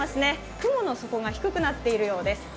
雲の底が低くなっているようです。